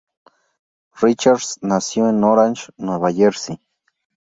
Richards nació en Orange, Nueva Jersey.